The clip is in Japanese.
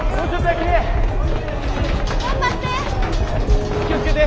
足気を付けて。